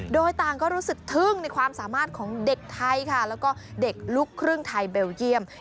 โดยต่างก็รู้สึกทึ่งในความสามารถของเด็กไทยค่ะแล้วก็เด็กลูกครึ่งไทยเบลเยี่ยม